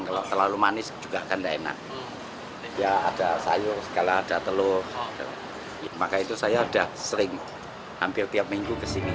kota lama semarang kota lama semarang